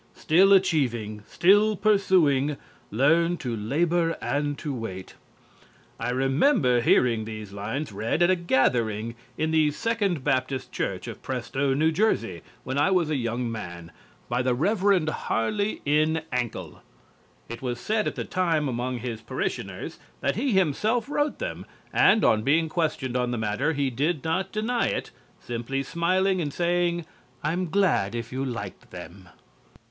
Still achieving, still pursuing, Learn to labor and to wait_." I remember hearing these lines read at a gathering in the Second Baptist Church of Presto, N.J., when I was a young man, by the Reverend Harley N. Ankle. It was said at the time among his parishioners that he himself wrote them and on being questioned on the matter he did not deny it, simply smiling and saying, "I'm glad if you liked them."